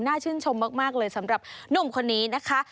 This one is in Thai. ชื่นชมมากเลยสำหรับหนุ่มคนนี้นะคะ